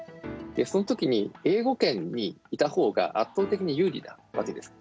そのときに英語圏にいたほうが圧倒的に有利なわけです。